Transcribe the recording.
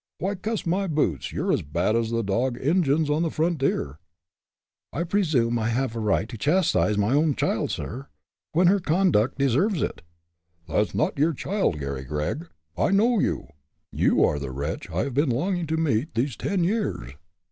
Why, cuss my boots, you're as bad as the Dog Injuns on the frontier!" "I presume I've a right to chastise my own child, sir, when her conduct deserves it!" "That's not your child, Garry Gregg! I know you. You are the wretch I have been longing to meet these ten years!"